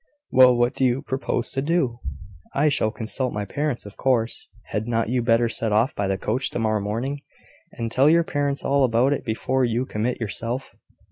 "Well, what do you propose to do?" "I shall consult my parents, of course." "Had not you better set off by the coach to morrow morning, and tell your parents all about it before you commit yourself?"